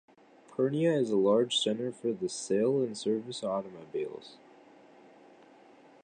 Purnia is a large centre for the sale and service of automobiles.